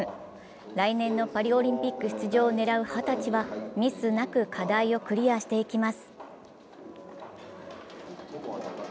来年のパリオリンピック出場を狙う二十歳は、ミスなく課題をクリアしていきます。